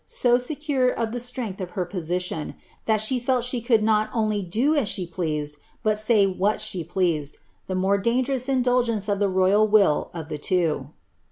so secure of the strength of her position, that she fell she could not only do as she pleased, but say aliat she pleased ; the more dangerous indulgence of the royal will of the (wo.